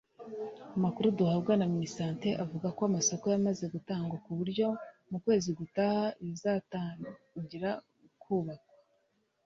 amakuru duhabwa na Minisante avuga ko amasoko yamaze gutangwa ku buryo mu kwezi gutaha bizatangita kubakwa